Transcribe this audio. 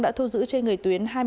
đã thu giữ trên người tuyến